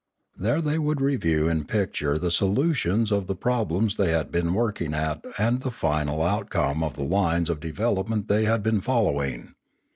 There they could view in picture the solutions of the problems they had been working at and the final out The Manora and the Imanora 55 * come of the lines of development they had been fol lowing.